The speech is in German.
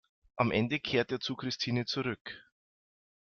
Am Ende kehrt er zu Christine zurück.